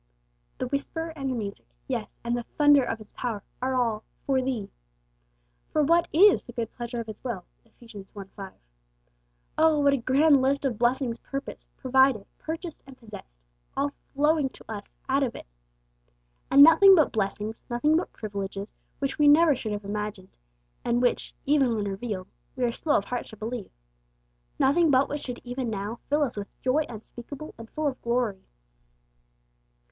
The whisper and the music, yes, and 'the thunder of His power,' are all 'for thee.' For what is 'the good pleasure of His will'? (Eph. i. 5.) Oh, what a grand list of blessings purposed, provided, purchased, and possessed, all flowing to us out of it! And nothing but blessings, nothing but privileges, which we never should have imagined, and which, even when revealed, we are 'slow of heart to believe;' nothing but what should even now fill us 'with joy unspeakable and full of glory!'